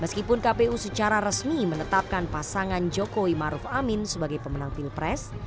meskipun kpu secara resmi menetapkan pasangan jokowi maruf amin sebagai pemenang pilpres